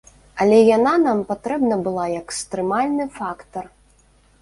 Але яна нам патрэбна была як стрымальны фактар.